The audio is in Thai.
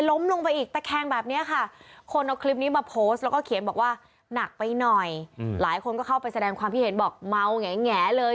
ล้มลงไปอีกตะแคงแบบนี้ค่ะคนเอาคลิปนี้มาโพสต์แล้วก็เขียนบอกว่าหนักไปหน่อยหลายคนก็เข้าไปแสดงความคิดเห็นบอกเมาแง่เลย